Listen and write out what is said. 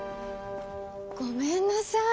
ごめんなさい。